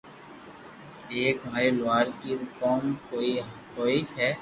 ايڪ ماري لوھارڪي رو ڪوم ڪوئي ھوئي